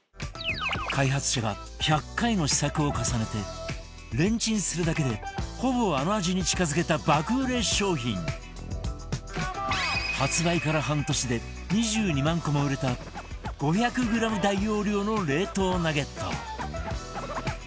開発者が１００回の試作を重ねてレンチンするだけでほぼあの味に近付けた爆売れ商品発売から半年で２２万個も売れた５００グラム大容量の冷凍ナゲット